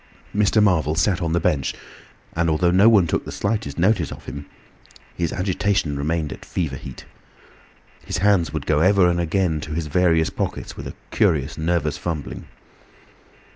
Mr. Marvel sat on the bench, and although no one took the slightest notice of him, his agitation remained at fever heat. His hands would go ever and again to his various pockets with a curious nervous fumbling.